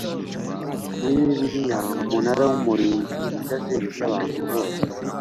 muri Bibiliya Umunara w Umurinzi Igazeti y abantu bose